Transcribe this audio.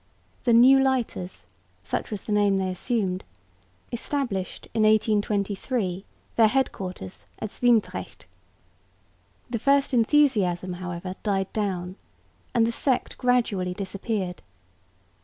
The "New Lighters" such was the name they assumed established in 1823 their headquarters at Zwijndrecht. The first enthusiasm however died down, and the sect gradually disappeared.